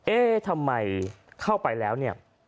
เอ๊ะทำไมเข้าไปแล้วเนี่ย